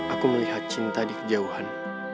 aku melihat cinta di kejauhan